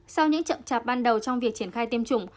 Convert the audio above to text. sau những chậm chạp ban đầu trong việc triển khai tiêm chủng